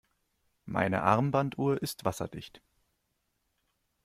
Meine Armbanduhr ist wasserdicht.